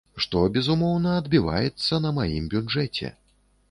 Што, безумоўна, адбіваецца на маім бюджэце.